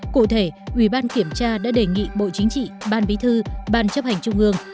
cụ thể ủy ban kiểm tra đã đề nghị bộ chính trị ban bí thư ban chấp hành trung ương